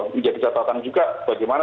menjadi catatan juga bagaimana